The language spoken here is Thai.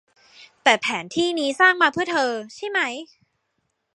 แต่แผนที่นี้สร้างมาเพื่อเธอ ใช่มั้ย